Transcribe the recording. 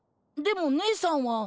でもねえさんは。